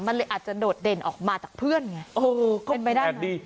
มันอาจจะโดดเด่นออกมาจากเพื่อนไง